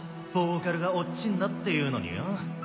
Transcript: ボーカルがおっ死んだっていうのによ。